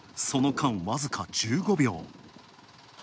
その間、わずか１５秒。